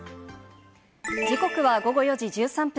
時刻は午後４時１３分。